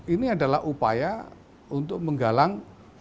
ini adalah upaya untuk menggalang